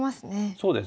そうですね。